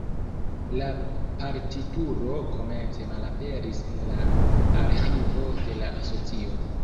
La partituro komence malaperis en la arĥivo de la asocio.